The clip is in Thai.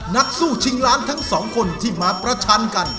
นักสู้ชิงล้านทั้งสองคนที่มาประชันกัน